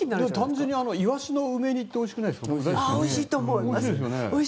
単純にイワシの梅煮っておいしくないですか。